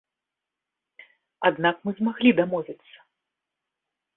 Аднак мы змаглі дамовіцца.